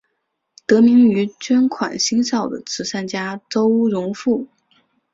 得名于捐款兴校的慈善家周荣富。